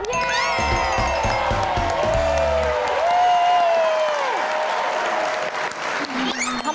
ขอบคุณครับ